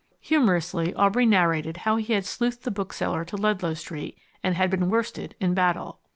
Humourously, Aubrey narrated how he had sleuthed the bookseller to Ludlow Street, and had been worsted in battle.